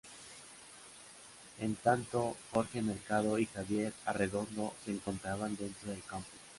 En tanto Jorge Mercado y Javier Arredondo se encontraban dentro del campus.